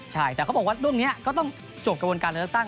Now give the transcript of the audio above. ใช่แต่เขาบอกว่าเรื่องนี้ก็ต้องจบกระบวนการเลือกตั้ง